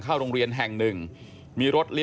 ก็ต้องมาถึงจุดตรงนี้ก่อนใช่ไหม